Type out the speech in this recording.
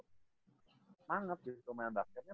semangat gitu main basketnya